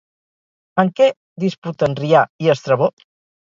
En què disputen Rià i Estrabó?